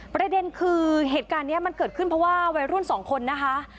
ประเด็นคือเหตุการณ์นี้มันเกิดขึ้นเพราะว่าวัยรุ่นสองคนนะคะ